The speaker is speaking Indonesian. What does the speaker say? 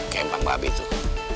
ke kempang babi tuh